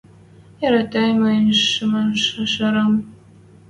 Яратем мӹнь лишемшы жерӓм